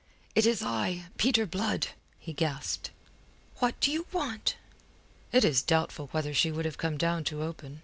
"It is I Peter Blood," he gasped. "What do you want?" It is doubtful whether she would have come down to open.